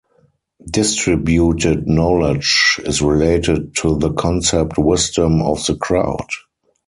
Distributed knowledge is related to the concept Wisdom of the crowd.